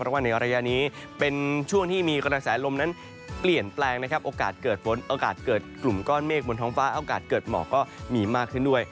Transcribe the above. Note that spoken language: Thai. เพราะว่าในระยะนี้เป็นช่วงที่มีกระแสลมนั้นเปลี่ยนแปลงนะครับโอกาสเกิดฝนโอกาสเกิดกลุ่มก้อนเมฆบนท้องฟ้าโอกาสเกิดหมอกก็มีมากขึ้นด้วย